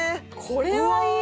これはいい！